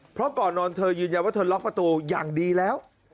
เพราะก่อนนอนเธอยืนยันว่าเธอล็อกประตูอย่างดีแล้ว